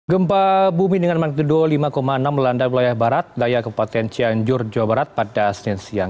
gempa bumi dengan magnitudo lima enam melanda wilayah barat daya kepaten cianjur jawa barat pada senin siang